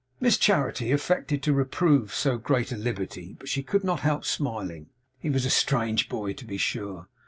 Miss Charity affected to reprove so great a liberty; but she could not help smiling. He was a strange boy, to be sure.